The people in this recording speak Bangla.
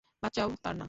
বাচ্চাও তার না।